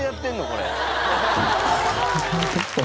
これ。